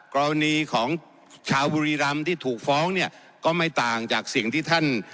กรณีของชาวบุรีรำที่ถูกฟ้องเนี่ยก็ไม่ต่างจากสิ่งที่ท่าน